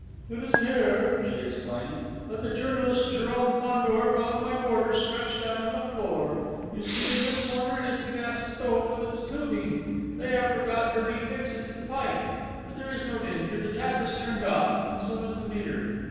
"It is here," she exclaimed, "that the journalist, Jérôme Fandor, found my boarder stretched out on the floor.... You see, in this corner, is the gas stove with its tubing! They have forgotten to refix it to the pipe; but there is no danger, the tap is turned off and so is the meter."